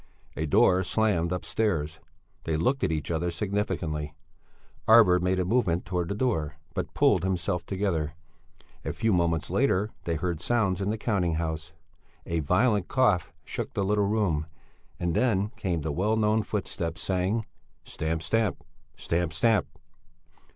A door slammed upstairs; they looked at each other significantly. Arvid made a movement towards the door, but pulled himself together. A few moments later they heard sounds in the counting house. A violent cough shook the little room and then came the well known footsteps, saying: stamp stamp, stamp stamp!